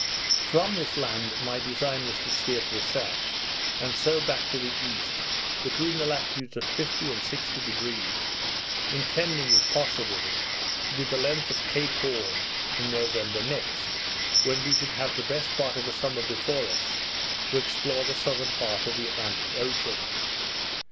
From this land my design was to steer to the south, and so back to the east, between the latitudes of 50° and 60°; intending, if possible, to be the length of Cape Horn in November next, when we should have the best part of the summer before us to explore the southern part of the Atlantic Ocean.